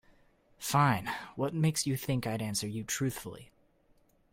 Fine, what makes you think I'd answer you truthfully?